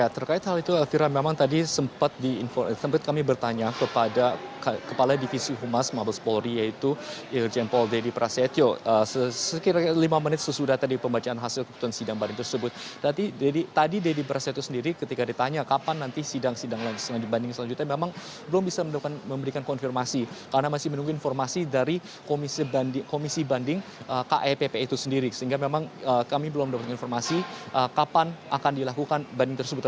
sehingga memang kami belum mendapatkan informasi kapan akan dilakukan banding tersebut